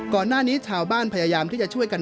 ก่อนหน้านี้ชาวบ้านพยายามที่จะช่วยกัน